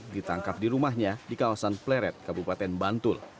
ditangkap di rumahnya di kawasan pleret kabupaten bantul